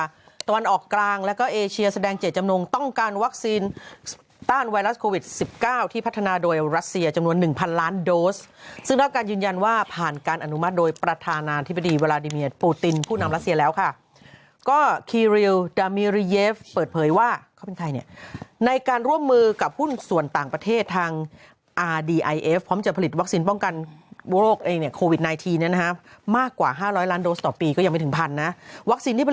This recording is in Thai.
อเมริกาตอนออกกลางแล้วก็เอเชียแสดง๗จำนวงต้องการวัคซีนต้านไวรัสโควิด๑๙ที่พัฒนาโดยรัสเซียจำนวน๑พันล้านโดสซึ่งแล้วการยืนยันว่าผ่านการอนุมัติโดยประธานาธิบดีเวลาดิเมียปุตินผู้นำรัสเซียแล้วค่ะก็คีริลดามีรีเยฟเปิดเผยว่าเขาเป็นใครเนี่ยในการร่วมมือกับหุ้นส